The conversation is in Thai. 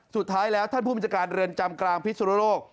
สุดท้ายแล้วท่านผู้บัญชาการเรือนจำกลางพิสุนโลก